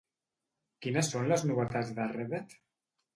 Quines són les novetats de Reddit?